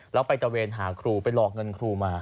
แล้วไปตะเวนหาครูไปหลอกเงินครูมา